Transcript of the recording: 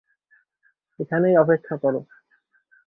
এখানেই অপেক্ষা করো।